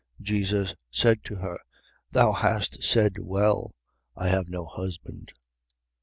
Jesus said to her: Thou hast said well: I have no husband.